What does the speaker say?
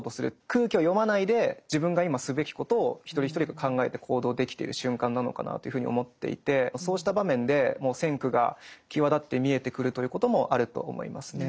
空気を読まないで自分が今すべきことを一人一人が考えて行動できている瞬間なのかなというふうに思っていてそうした場面でも「先駆」が際立って見えてくるということもあると思いますね。